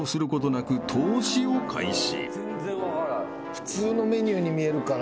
普通のメニューに見えるから。